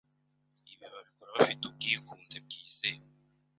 ibi babikora bafite ubwikunde bwizewe